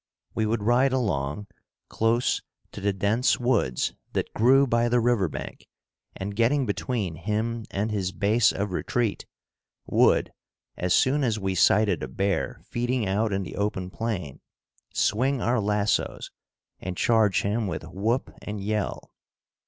We would ride along close to the dense woods that grew by the river bank, and, getting between him and his base of retreat, would, as soon as we sighted a bear feeding out in the open plain, swing our lassos and charge him with whoop and yell.